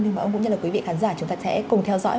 nhưng mà ông cũng như là quý vị khán giả chúng ta sẽ cùng theo dõi